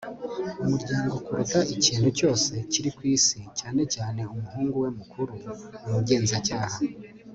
umuryango kuruta ikintu cyose kiri kwisi, cyane cyane umuhungu we mukuru, umugenzacyaha